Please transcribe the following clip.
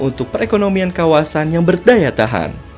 untuk perekonomian kawasan yang berdaya tahan